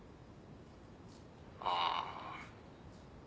ああ。